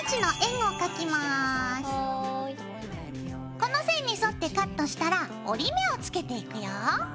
この線に沿ってカットしたら折り目をつけていくよ。